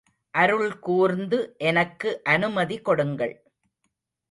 அருள்கூர்ந்து எனக்கு அனுமதி கொடுங்கள்.